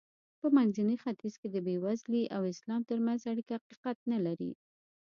په منځني ختیځ کې د بېوزلۍ او اسلام ترمنځ اړیکه حقیقت نه لري.